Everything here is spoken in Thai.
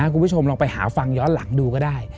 คุณผู้ชมลองไปหาฟังย้อนหลังดูก็ได้